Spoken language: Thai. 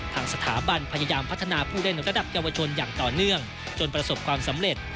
ทางสถาบันพยายามพัฒนาผู้เล่นระดับเยาวชนอย่างต่อเนื่องจนประสบความสำเร็จ